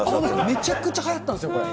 めちゃくちゃはやったんですよ、これ。